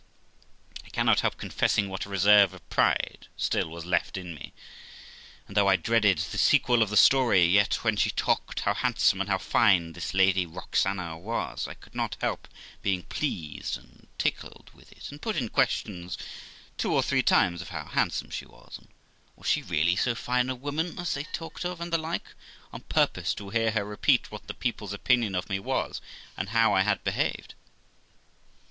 I cannot help confessing what a reserve of pride still was left in mej and, though I dreaded the sequel of the story, yet when she talked how handsome and how fine a lady this Roxana was, I could not help being pleased and tickled with it, and put in questions two or three times of how handsome she was, and was she really so fine a woman as they talked of; and the like, on purpose to hear her repeat what the people's opinion of me was, and how I had behaved.